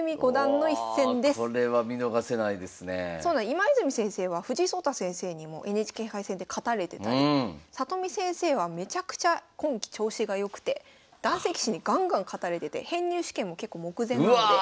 今泉先生は藤井聡太先生にもＮＨＫ杯戦で勝たれてたり里見先生はめちゃくちゃ今期調子が良くて男性棋士にガンガン勝たれてて編入試験も結構目前なので。